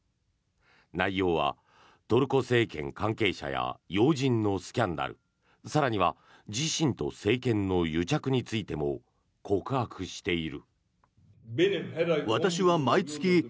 内容はトルコ政権関係者や要人のスキャンダル更には自身と政権の癒着についても告白している。